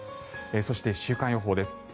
そして、週間予報です。